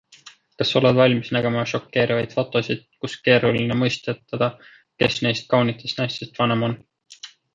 Kas oled valmis nägema šokeerivaid fotosid, kus keeruline mõistatada - kes neist kaunitest naistest vanem on.